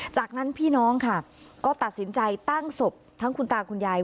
จากนั้นพี่น้องค่ะก็ตัดสินใจตั้งศพทั้งคุณตาคุณยาย